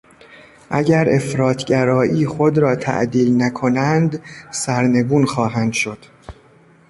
اگر افراط گرایی خود را تعدیل نکنند سرنگون خواهند شد.